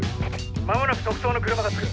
間もなく特捜の車が着く。